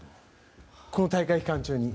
この大会期間中に。